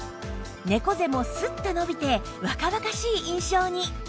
猫背もスッと伸びて若々しい印象に